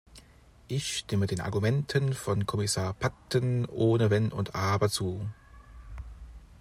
Ich stimme den Argumenten von Kommissar Patten ohne Wenn und Aber zu.